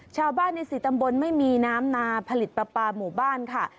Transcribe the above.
ชาวบ้านใน๔ตำบลไม่มีน้ำนาผลิตปลาปลาหมู่บ้านค่ะ